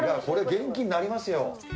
これ元気になりますよ。